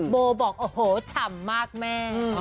โบบอกโอ้โหฉ่ำมากแม่